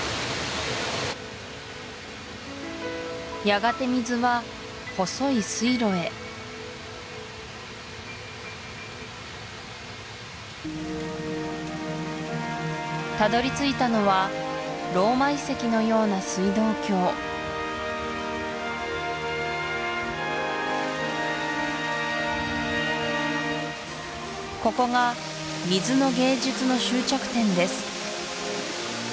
やがて水は細い水路へたどり着いたのはローマ遺跡のような水道橋ここが水の芸術の終着点です